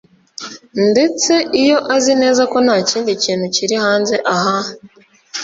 ndetse iyo azi neza ko ntakindi kintu kiri hanze aha